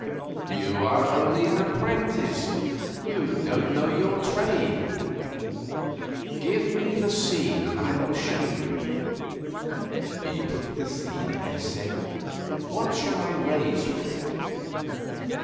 "You are only an apprentice; you don't know your trade. Give me the seed. I will show you." He took the seed and said, "What shall I raise from it?"